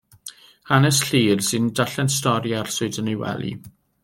Hanes Llŷr, sy'n darllen stori arswyd yn ei wely.